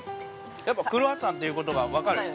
やっぱりクロワッサンということが分かる。